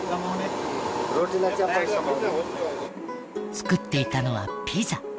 作っていたのはピザ。